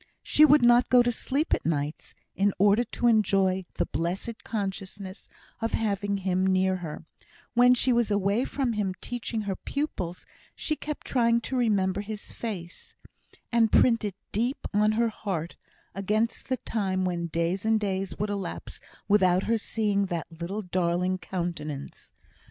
She would not go to sleep at nights, in order to enjoy the blessed consciousness of having him near her; when she was away from him teaching her pupils, she kept trying to remember his face, and print it deep on her heart, against the time when days and days would elapse without her seeing that little darling countenance.